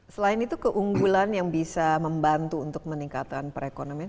selain itu keunggulan yang bisa membantu untuk meningkatkan perekonomian